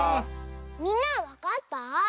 みんなはわかった？